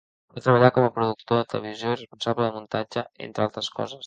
Va treballar com a productor de televisió i responsable de muntatge, entre altres coses.